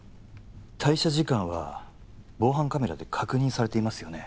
退社時間は防犯カメラで確認されていますよね？